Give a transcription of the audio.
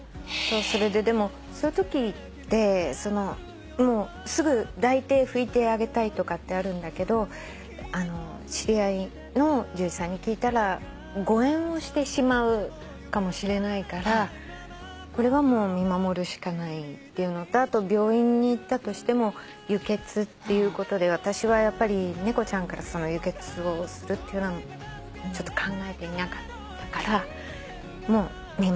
それででもそういうときってすぐ抱いて拭いてあげたいとかあるんだけど知り合いの獣医さんに聞いたら誤嚥をしてしまうかもしれないからこれは見守るしかないっていうのとあと病院に行ったとしても輸血っていうことで私はやっぱり猫ちゃんから輸血をするっていうのは考えていなかったから見守るっていうことにして。